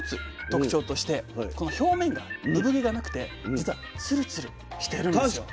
特徴としてこの表面が産毛がなくてじつはツルツルしてるんですよ。